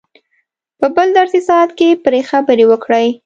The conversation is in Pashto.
په بل درسي ساعت کې پرې خبرې وکړئ.